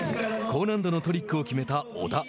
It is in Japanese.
高難度のトリックを決めた織田。